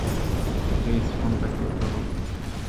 Please, ফোনটা কেউ তোলো!